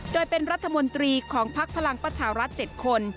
โดยเป็นรัฐมนตรีของพักพลังประชารัฐ๗คน